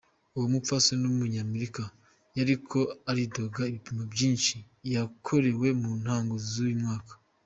Uwo mupfasoni w'umunyamerika yariko aridogera ibipimo vyinshi yakorewe mu ntango z'uyu mwaka.